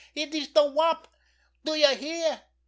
——It is the Wop!——Do you hear?